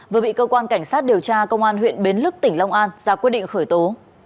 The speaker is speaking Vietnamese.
vừa bị cơ quan cảnh sát điều tra công an huyện bến lức tỉnh long an ra quyết định khởi tố